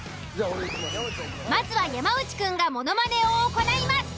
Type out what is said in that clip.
まずは山内くんがものまねを行います。